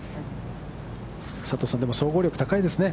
佐藤さん、でも総合力高いですね。